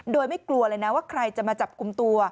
โดยไม่กลัวเลยนะว่าใครจะมาจับกลุ่มตัว